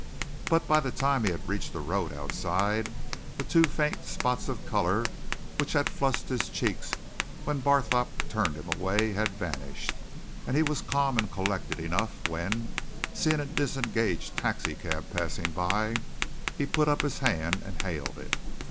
But by the time he had reached the road outside, the two faint spots of colour which had flushed his cheeks when Barthorpe turned him away had vanished, and he was calm and collected enough when, seeing a disengaged taxi cab passing by, he put up his hand and hailed it.